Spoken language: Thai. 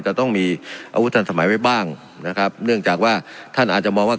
จะต้องมีอาวุธทันสมัยไว้บ้างนะครับเนื่องจากว่าท่านอาจจะมองว่า